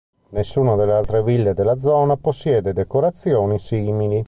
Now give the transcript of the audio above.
Nessuna delle altre ville della zona possiede decorazioni simili.